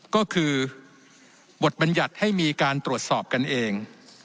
ก็คือบทบัญญัติให้มีการตรวจสอบกันเอง